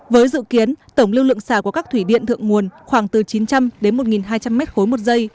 với dự kiến tổng lưu lượng xả của các thủy điện thượng nguồn khoảng từ chín trăm linh đến một hai trăm linh m ba một giây